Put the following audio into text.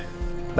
kenapa ada apa